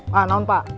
nah naun pak